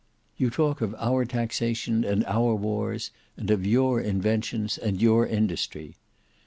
You talk of our taxation and our wars; and of your inventions and your industry.